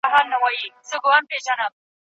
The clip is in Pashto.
اوس به څوك اوري آواز د پردېسانو